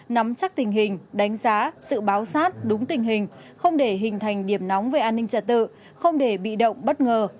nắm chắc tình hình đánh giá sự báo sát đúng tình hình không để hình thành điểm nóng về an ninh trật tự không để bị động bất ngờ